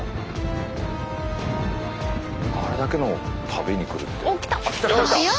あれだけのを食べにくるって。